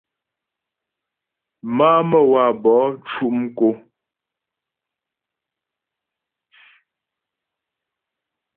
Má'a Məwabo cʉ' mkǒ.